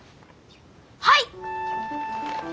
はい！